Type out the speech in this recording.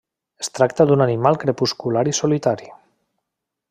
Es tracta d'un animal crepuscular i solitari.